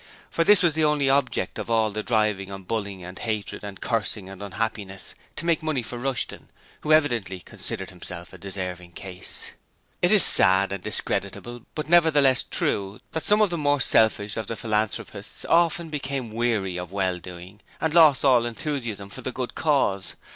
For this was the only object of all the driving and bullying and hatred and cursing and unhappiness to make money for Rushton, who evidently considered himself a deserving case. It is sad and discreditable, but nevertheless true, that some of the more selfish of the philanthropists often became weary of well doing, and lost all enthusiasm in the good cause.